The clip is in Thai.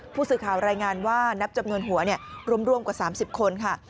ผู้สื่อข่าวรายงานว่านับจำนวนหัวร่วมกว่า๓๐คนค่ะ